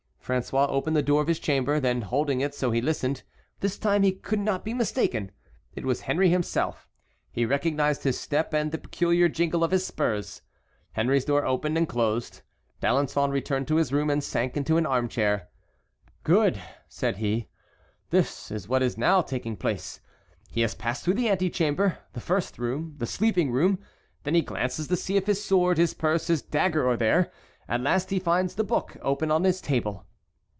François opened the door of his chamber, then holding it so he listened. This time he could not be mistaken, it was Henry himself; he recognized his step and the peculiar jingle of his spurs. Henry's door opened and closed. D'Alençon returned to his room and sank into an armchair. "Good!" said he, "this is what is now taking place: he has passed through the antechamber, the first room, the sleeping room; then he glances to see if his sword, his purse, his dagger are there; at last he finds the book open on his table.